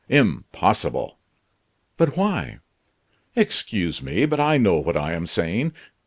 "Impossible!" "But why?" "Excuse me, but I know what I am saying.